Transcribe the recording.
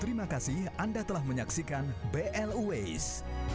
terima kasih anda telah menyaksikan blu ways